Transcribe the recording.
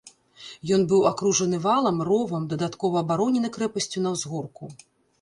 Ён быў акружаны валам, ровам, дадаткова абаронены крэпасцю на ўзгорку.